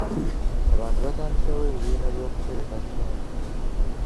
Abantu batandiseewo ebibiina by'okutereka ssente.